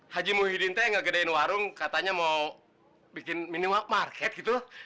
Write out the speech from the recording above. haji muhyiddin nggak gedein warung katanya mau bikin minimarket gitu